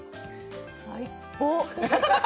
最高！